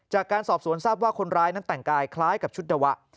จากการสอบสวนทราบว่าคนร้ายนั้นแต่งกายคล้ายกับชุดนวะ